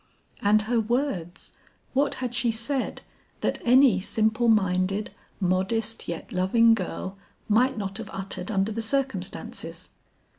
And her words! what had she said, that any simple minded, modest yet loving girl might not have uttered under the circumstances.